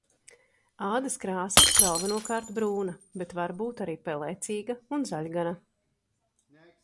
Ādas krāsa galvenokārt brūna, bet var būt arī pelēcīga un zaļgana.